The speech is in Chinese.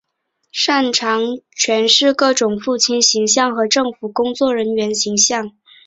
擅长诠释各种父亲形象和政府工作人员形象。